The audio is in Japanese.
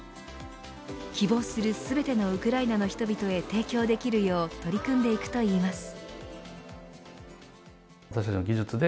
希望する全てのウクライナの人々へ提供できるよう取り組んでいくといいます。